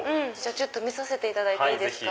見させていただいていいですか？